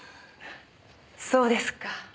そうですか。